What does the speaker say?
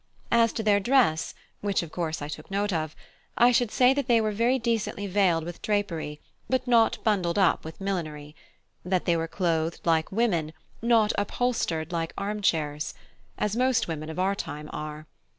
As to their dress, which of course I took note of, I should say that they were decently veiled with drapery, and not bundled up with millinery; that they were clothed like women, not upholstered like armchairs, as most women of our time are.